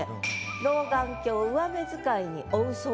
「老眼鏡上目遣いに追う爽籟」。